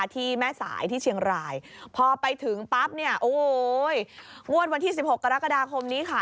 ที่แม่สายที่เชียงรายพอไปถึงปั๊บเนี่ยโอ้โหงวดวันที่๑๖กรกฎาคมนี้ค่ะ